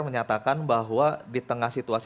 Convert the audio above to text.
menyatakan bahwa di tengah situasi